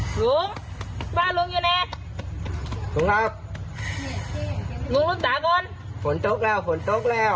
ลุงบ้านลุงอยู่ไหนลุงครับลุงรักษาก่อนฝนตกแล้วฝนตกแล้ว